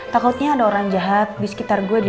takutnya ada orang jahat di sekitar gue di depan gue